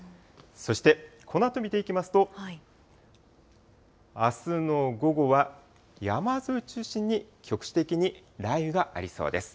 そしてこのあと見ていきますと、あすの午後は、山沿いを中心に局地的に雷雨がありそうです。